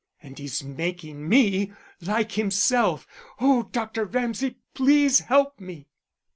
And he's making me like himself.... Oh, Dr. Ramsay, please help me."